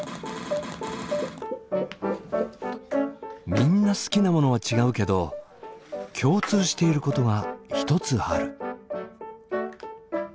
みんな好きなものは違うけど共通していることが一つある。